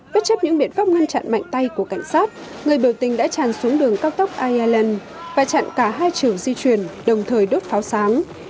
bất chấp những biện pháp ngăn chặn mạnh tay của cảnh sát người biểu tình đã tràn xuống đường cao tốc iean và chặn cả hai chiều di chuyển đồng thời đốt pháo sáng